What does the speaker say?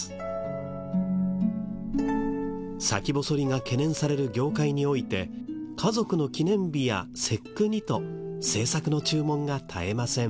先細りが懸念される業界において家族の記念日や節句にと制作の注文が絶えません。